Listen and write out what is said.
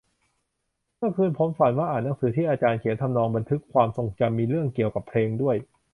เมื่อคืนผมฝันว่าอ่านหนังสือที่อาจารย์เขียน ทำนองบันทึกความทรงจำ มีเรื่องเกี่ยวกับเพลงด้วย